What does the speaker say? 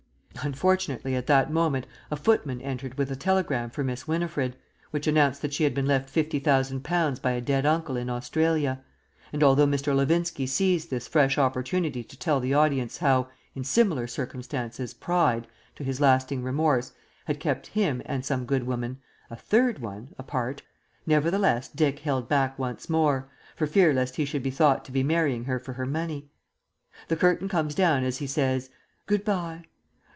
Unfortunately at that moment a footman entered with a telegram for Miss Winifred, which announced that she had been left fifty thousand pounds by a dead uncle in Australia; and, although Mr. Levinski seized this fresh opportunity to tell the audience how in similar circumstances Pride, to his lasting remorse, had kept him and some good woman (a third one) apart, nevertheless Dick held back once more, for fear lest he should be thought to be marrying her for her money. The curtain comes down as he says, "Good bye